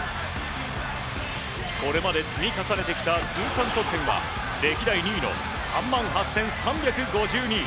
これまで積み重ねてきた通算得点は歴代２位の３万８３５２。